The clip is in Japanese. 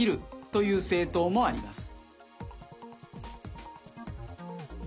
という政党もあります。